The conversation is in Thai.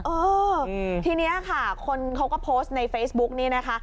เออทีนี้ค่ะคนเขาก็โพสต์ในเฟซบุ๊กนี้นะคะ